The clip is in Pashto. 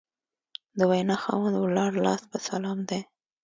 د وینا خاوند ولاړ لاس په سلام دی